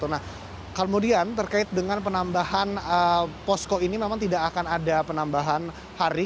nah kemudian terkait dengan penambahan posko ini memang tidak akan ada penambahan hari